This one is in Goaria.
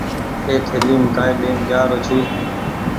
اي ٿليم ڪآئي لين جآرو ڇي۔